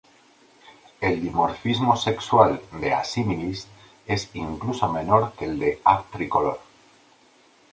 El dimorfismo sexual de "assimilis" es incluso menor que el de "A. tricolor".